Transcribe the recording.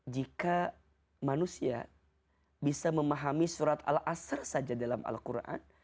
jika manusia bisa memahami surat al azhar saja dalam al quran